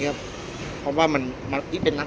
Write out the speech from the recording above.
พี่อัดมาสองวันไม่มีใครรู้หรอก